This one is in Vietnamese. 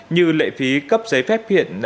như lệ phí cấp giấy phép hiện